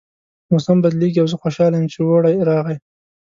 موسم بدلیږي او زه خوشحاله یم چې اوړی راغی